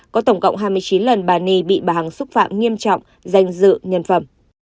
có tổng cộng hai mươi chín lần bà ni bị bà hằng xúc phạm nghiêm trọng danh dự nhân phẩm